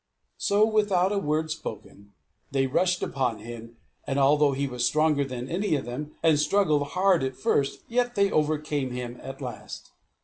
So without a word spoken, they rushed upon him; and although he was stronger than any of them, and struggled hard at first, yet they overcame him at last.